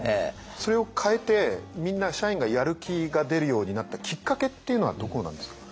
それを変えてみんな社員がやる気が出るようになったきっかけっていうのはどこなんですか？